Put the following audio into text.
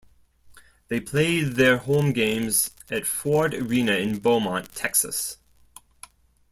They played their home games at Ford Arena in Beaumont, Texas.